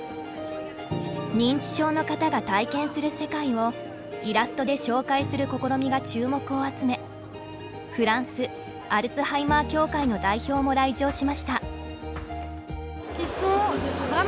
認知症の方が体験する世界をイラストで紹介する試みが注目を集めフランスアルツハイマー協会の代表も来場しました。